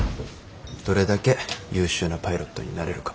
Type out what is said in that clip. どれだけ優秀なパイロットになれるか。